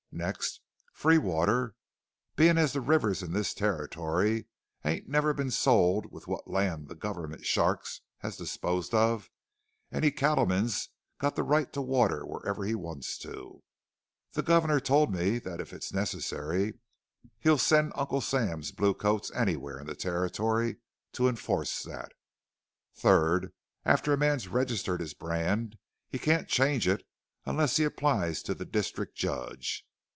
Next free water! Being as the rivers in this Territory ain't never been sold with what land the government sharks has disposed of, any cattleman's got the right to water wherever he wants to. The governor told me that if it's necessary he'll send Uncle Sam's blue coats anywhere in the Territory to enforce that! Third: after a man's registered his brand he can't change it unless he applies to the district judge.